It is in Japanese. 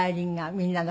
「みんなで」